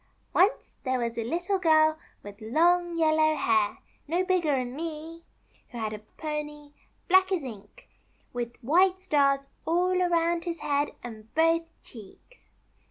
Once there was a Little Girl with long yellow hair — no bigger'n me — who had a pony, black as ink, with white stars all around his head and both cheeks.